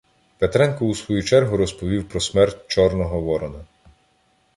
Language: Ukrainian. Петренко у свою чергу розповів про смерть Чорного Ворона.